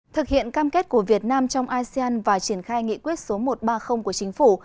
thực hiện cam kết của việt nam trong asean và triển khai nghị quyết số một trăm ba mươi của chính phủ